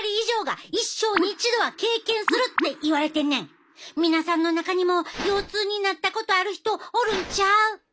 ある報告では皆さんの中にも腰痛になったことある人おるんちゃう？